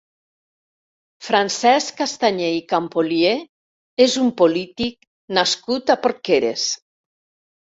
Francesc Castañer i Campolier és un polític nascut a Porqueres.